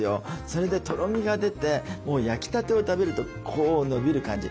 それでとろみが出て焼きたてを食べるとこう伸びる感じ。